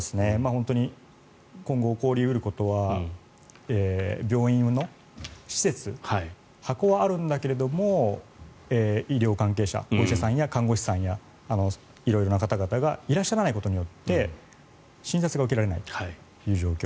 本当に今後、起こり得ることは病院の施設ハコはあるんだけれども医療関係者お医者さんや看護師さんや色々な方々がいらっしゃらないことになって診察が受けられないという状況。